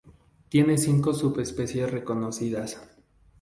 Tiene cinco subespecies reconocidas.